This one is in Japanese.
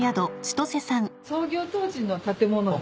創業当時の建物に。